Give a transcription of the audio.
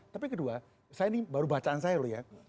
tapi kedua saya ini baru bacaan saya loh ya